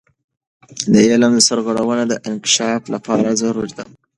د علم سرغړونه د انکشاف لپاره ضروري ده.